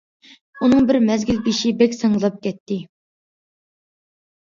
ئۇنىڭ بىر مەزگىل بېشى بەك ساڭگىلاپ كەتتى.